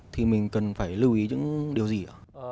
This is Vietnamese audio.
thì mình cần phải lưu ý những điều gì ạ